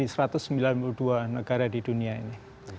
di satu ratus sembilan puluh dua negara di dunia ini